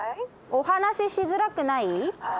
お話ししづらくない？